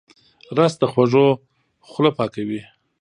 رس د خوږو خوله پاکوي